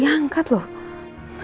tetep gak diangkat loh